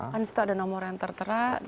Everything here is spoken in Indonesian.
kan di situ ada nomor yang tertera